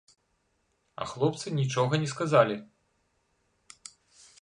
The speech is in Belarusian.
А хлопцы нічога не сказалі.